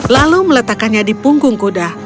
lalu meletakkannya di punggung kuda